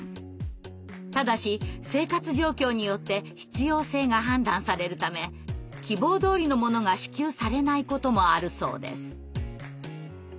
ただし生活状況によって必要性が判断されるため希望どおりのものが支給されないこともあるそうです。